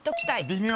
微妙。